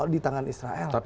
di tangan israel